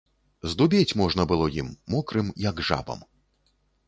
Здубець можна было ім, мокрым, як жабам.